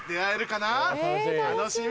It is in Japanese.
楽しみ。